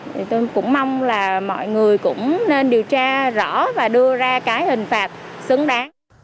thì tôi cũng mong là mọi người cũng nên điều tra rõ và đưa ra cái hình phạt xứng đáng